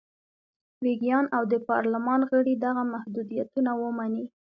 ویګیان او د پارلمان غړي دغه محدودیتونه ومني.